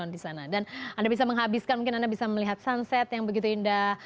dan anda bisa menghabiskan mungkin anda bisa melihat sunset yang begitu indah